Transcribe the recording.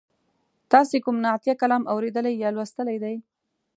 تاسې کوم نعتیه کلام اوریدلی یا لوستلی دی؟